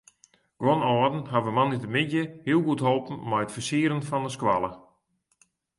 Guon âlden hawwe moandeitemiddei hiel goed holpen mei it fersieren fan de skoalle.